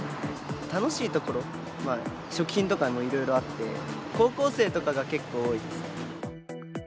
楽しい所、食品とかいろいろあって、高校生とかが結構多いですね。